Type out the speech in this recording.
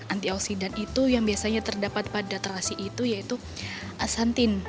antioksidan itu yang biasanya terdapat pada terasi itu yaitu asantin